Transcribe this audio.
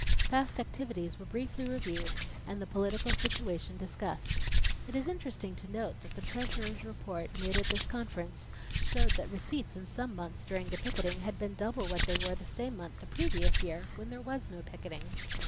Past activities were briefly reviewed and the political situation discussed. It is interesting to note that the Treasurer's report made at this conference showed that receipts in some months during the picketing had been double what they were the same month the previous year when there was no picketing.